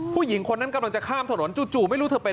ผู้หญิงคนนั้นกำลังจะข้ามถนนจู่